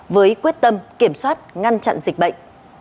với quyết tâm kiểm soát ngăn chặn dịch bệnh